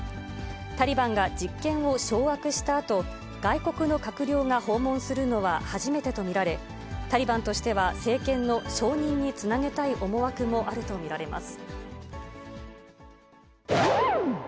タリバンが実権を掌握したあと、外国の閣僚が訪問するのは初めてと見られ、タリバンとしては政権の承認につなげたい思惑もあると見られます。